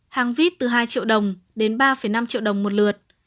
hàng vít từ hai triệu đồng đến ba năm triệu đồng một lượt